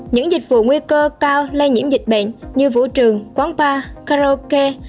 những dịch vụ nguy cơ cao lây nhiễm dịch bệnh như vũ trường quán bar karaoke